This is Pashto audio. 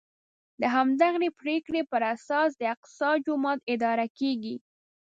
د همدغې پرېکړې په اساس د الاقصی جومات اداره کېږي.